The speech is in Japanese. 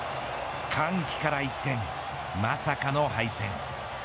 歓喜から一転まさかの敗戦。